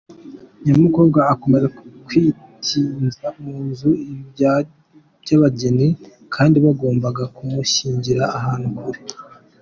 Nyamukobwa akomeza kwitinza mu nzu ibi by’abageni kandi bagombaga kumushyingira ahantu kure.